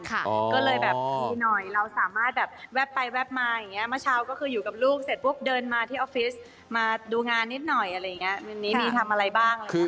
ก็เลยแบบดีหน่อยเราสามารถแบบแวบไปแวบมาอย่างเงี้ยมาเช้าก็คืออยู่กับลูกเสร็จพวกเดินมาที่ออฟฟิศมาดูงานนิดหน่อยอะไรอย่างเงี้ย